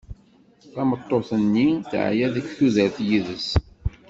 Tameṭṭut-nni teɛya deg tudert yid-s.